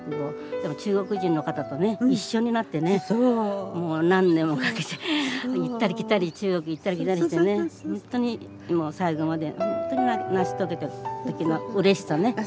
でも中国人の方とね一緒になってねもう何年もかけて行ったり来たり中国行ったり来たりしてねほんとにもう最後まで成し遂げた時のうれしさね。